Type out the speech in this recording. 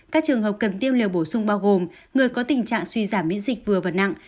các trường hợp cần tiêu liều bổ sung bao gồm người có tình trạng suy giảm miễn dịch vừa và nặng